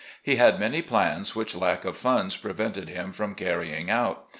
He had many plans which lack of funds prevented him from carrying out.